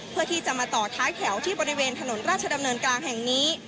เพื่อที่จะมาต่อท้ายแถวที่บริเวณถนนราชดำเนินกลางแห่งนี้